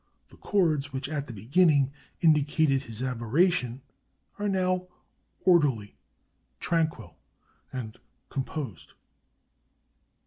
The chords which, at the beginning, indicated his aberration, are now orderly, tranquil, and composed.